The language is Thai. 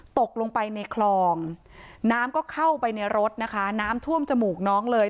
ตกลงไปในคลองน้ำก็เข้าไปในรถนะคะน้ำท่วมจมูกน้องเลย